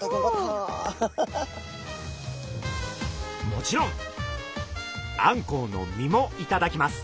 もちろんあんこうの身もいただきます。